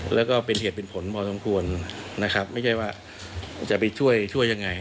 แล้วก็เป็นเหตุเป็นผลพอสมควรนะครับไม่ใช่ว่าจะไปช่วยช่วยยังไง